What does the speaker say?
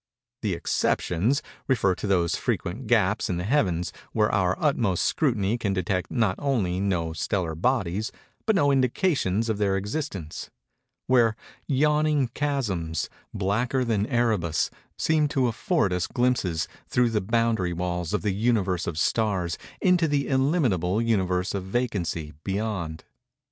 The "exceptions" refer to those frequent gaps in the Heavens, where our utmost scrutiny can detect not only no stellar bodies, but no indications of their existence:—where yawning chasms, blacker than Erebus, seem to afford us glimpses, through the boundary walls of the Universe of Stars, into the illimitable Universe of Vacancy, beyond.